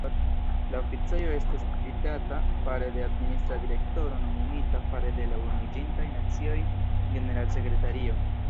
La oficejo estas gvidata fare de Administra direktoro nomumita fare de la Unuiĝintaj Nacioj-generalsekretario.